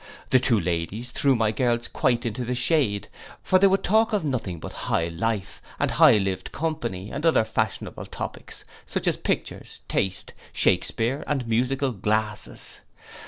The two ladies threw my girls quite into the shade; for they would talk of nothing but high life, and high lived company; with other fashionable topics, such as pictures, taste, Shakespear, and the musical glasses.